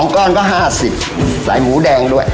ก้อนก็๕๐ใส่หมูแดงด้วย